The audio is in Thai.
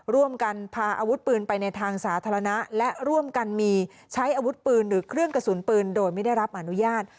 ร่วมกันพาอาวุธปืนไปในทางสาธารณะและร่วมกันมีใช้อาวุธปืนหรือเครื่องกระสุนปืนโดยไม่ได้รับอนุญาต